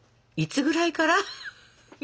いつぐらいから？